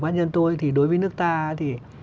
quan nhân tôi thì đối với nước ta thì